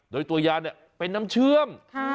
โดยตัวยานเป็นน้ำเชื้อม